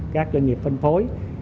các doanh nghiệp phân phối